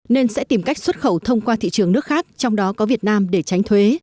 nên sẽ tìm cách xuất khẩu thông qua thị trường nước khác trong đó có việt nam để tránh thuế